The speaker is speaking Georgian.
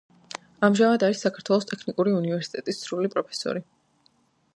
ამჟამად არის საქართველოს ტექნიკური უნივერსიტეტის სრული პროფესორი.